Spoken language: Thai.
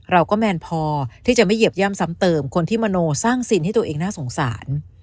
แมนพอที่จะไม่เหยียบย่ำซ้ำเติมคนที่มโนสร้างซินให้ตัวเองน่าสงสาร